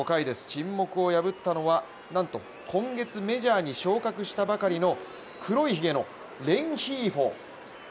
沈黙を破ったのはなんと今月、メジャーに昇格したばかりの黒いひげのレンヒーフォ。